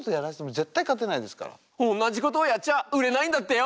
同じことをやっちゃ売れないんだってよ。